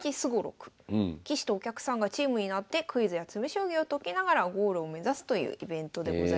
棋士とお客さんがチームになってクイズや詰将棋を解きながらゴールを目指すというイベントでございます。